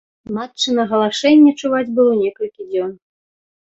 Матчына галашэнне чуваць было некалькі дзён.